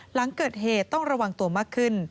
หลังเกิดเหตุต้องระวังตัวมากขึ้น